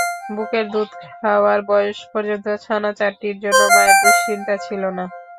বুকের দুধ খাওয়ার বয়স পর্যন্ত ছানা চারটির জন্য মায়ের দুশ্চিন্তা ছিল না।